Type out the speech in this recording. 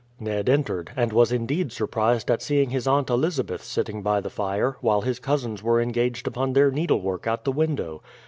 Ned entered, and was indeed surprised at seeing his Aunt Elizabeth sitting by the fire, while his cousins were engaged upon their needlework at the window.